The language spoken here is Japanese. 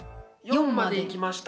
４までいきました。